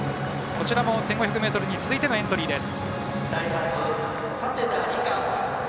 こちらも１５００ｍに続いてのエントリーです